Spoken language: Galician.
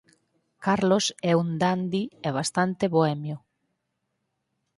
Carlos é un dandi e bastante bohemio.